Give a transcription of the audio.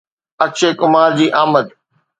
اڪشي ڪمار جي آمد